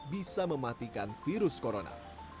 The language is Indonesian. bisa mematikan virus corona